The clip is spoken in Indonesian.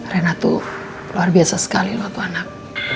rena tuh luar biasa sekali loh tuh anak